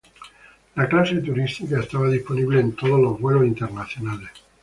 La clase turista estaba disponible en todos los vuelos internacionales.